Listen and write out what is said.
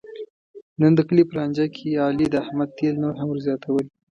نن د کلي په لانجه کې علي د احمد تېل نور هم ور زیاتول.